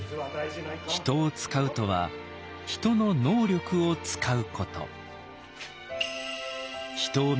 人を使うとは人の能力を使うこと。